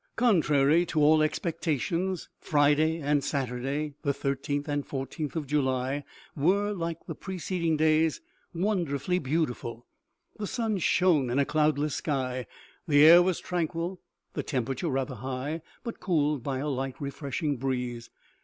Contrary to all expectation, Friday and Saturday, the 1 3th and i4th of July were, like the preceding days, won derfully beautiful ; the sun shone in a cloudless sky, the air was tranquil, the temperature rather high, but cooled by a light, refreshing breeze.